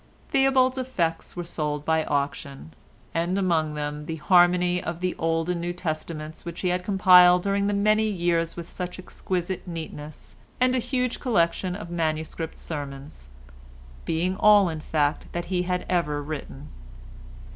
Theobald's effects were sold by auction, and among them the Harmony of the Old and New Testaments which he had compiled during many years with such exquisite neatness and a huge collection of MS. sermons—being all in fact that he had ever written.